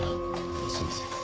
すみません。